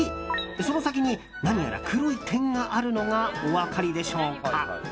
その先に何やら黒い点があるのがお分かりでしょうか。